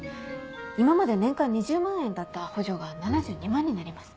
今まで年間２０万円だった補助が７２万になります。